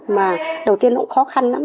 mà đầu tiên nó cũng khó khăn lắm